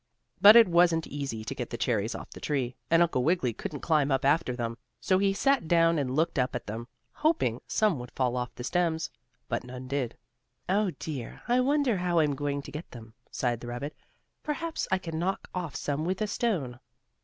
But it wasn't easy to get the cherries off the tree, and Uncle Wiggily couldn't climb up after them. So he sat down and looked up at them, hoping some would fall off the stems. But none did. "Oh, dear, I wonder how I'm going to get them?" sighed the rabbit. "Perhaps I can knock off some with a stone."